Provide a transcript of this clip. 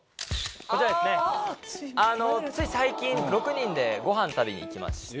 こちらですねつい最近６人でごはん食べに行きまして。